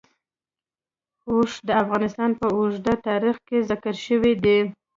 اوښ د افغانستان په اوږده تاریخ کې ذکر شوی دی.